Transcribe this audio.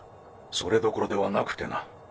それどころではなくてな。